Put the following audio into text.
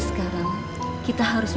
om terima kasih